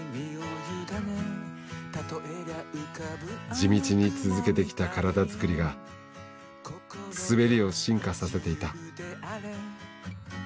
地道に続けてきた体づくりが滑りを進化させていた。